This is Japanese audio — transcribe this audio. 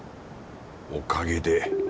おかげで。